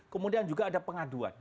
kemudian juga ada pengaduan